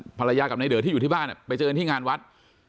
อ่าภรรยากับในเดอร์ที่อยู่ที่บ้านอ่ะไปเจอกันที่งานวัด